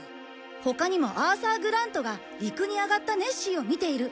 他にもアーサー・グラントが陸に上がったネッシーを見ている。